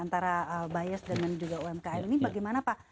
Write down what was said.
antara bios dan juga umkm ini bagaimana pak